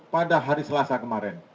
pada hari selasa kemarin